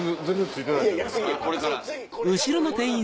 次これから。